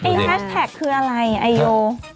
แฮชแท็กคืออะไรไอโย